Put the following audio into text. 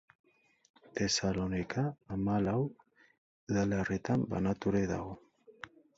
Tesalonika hamalau udalerritan banaturik dago.